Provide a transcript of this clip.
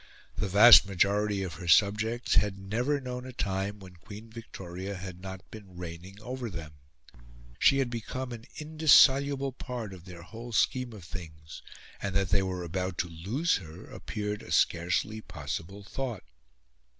The vast majority of her subjects had never known a time when Queen Victoria had not been reigning over them. She had become an indissoluble part of their whole scheme of things, and that they were about to lose her appeared a scarcely possible thought.